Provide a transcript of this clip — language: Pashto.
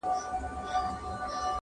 • وایی تم سه خاطرې دي راته وایی -